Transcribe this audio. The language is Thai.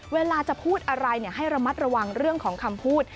เวลาจะพูดอะไรให้ระมัดระวังเรื่องของคำพูด